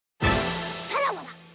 さらばだ！